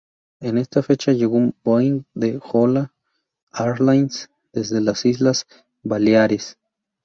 En esa fecha llegó un Boeing de Hola Airlines desde las Islas Baleares.